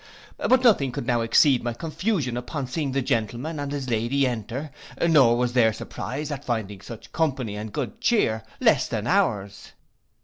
But nothing could now exceed my confusion upon seeing the gentleman, and his lady, enter, nor was their surprize, at finding such company and good cheer, less than ours.